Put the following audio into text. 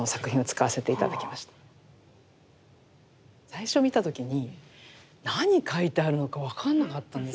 最初見た時に何描いてあるのか分かんなかったんですよ。